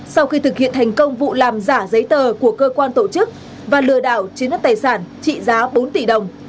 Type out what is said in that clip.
sau khi thực hiện thành công vụ làm giả giấy tờ của cơ quan tổ chức và lừa đảo chiếm đất tài sản trị giá bốn tỷ đồng